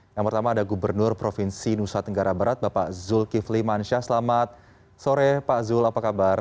yang pertama ada gubernur provinsi nusa tenggara barat bapak zulkifli mansyah selamat sore pak zul apa kabar